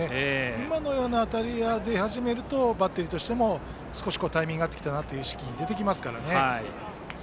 今のような当たりが出始めるとバッテリーとしても少しタイミングが合ってきたなという意識が出てきますからね。